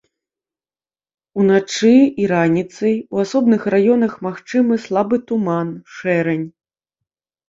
Уначы і раніцай у асобных раёнах магчымы слабы туман, шэрань.